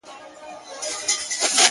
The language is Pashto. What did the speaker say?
كله وي خپه اكثر ـ